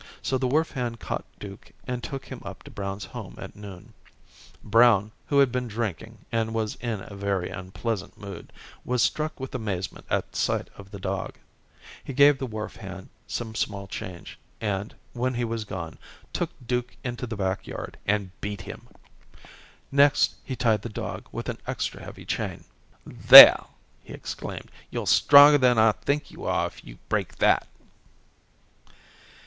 So the wharf hand caught Duke and took him up to Brown's home at noon. Brown, who had been drinking and was in a very unpleasant mood, was struck with amazement at sight of the dog. He gave the wharf hand some small change, and, when he was gone, took Duke into the back yard and beat him. Next, he tied the dog with an extra heavy chain. "There," he exclaimed, "you're stronger than I think you are if you break that."